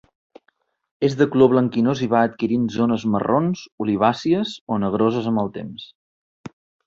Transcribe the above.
És de color blanquinós i va adquirint zones marrons, olivàcies o negroses amb el temps.